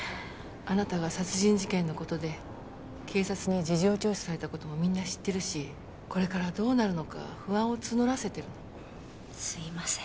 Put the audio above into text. あなたが殺人事件のことで警察に事情聴取されたこともみんな知ってるしこれからどうなるのか不安を募らせてるすいません